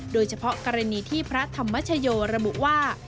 โดยเฉพาะกรณีที่พระธรรมชโยระบุว่า